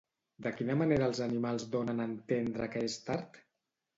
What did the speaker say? De quina manera els animals donen a entendre que és tard?